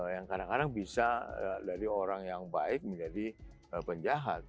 yang kadang kadang bisa dari orang yang baik menjadi penjahat